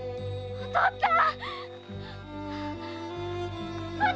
お父っつぁん！